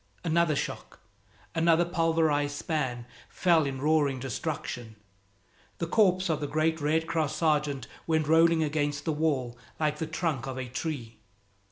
Another shock another pulverized span fell in roaring destruction. The corpse of the great Red Cross sergeant went rolling against the wall like the trunk of a tree.